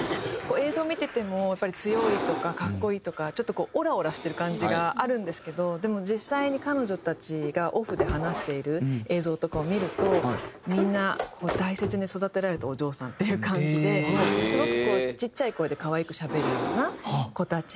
映像見ててもやっぱり強いとか格好いいとかちょっとオラオラしてる感じがあるんですけどでも実際に彼女たちがオフで話している映像とかを見るとみんな大切に育てられたお嬢さんっていう感じですごくこうちっちゃい声で可愛くしゃべるような子たちで。